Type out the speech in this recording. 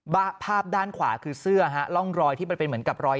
ภาพด้านขวาคือเสื้อฮะร่องรอยที่มันเป็นเหมือนกับรอย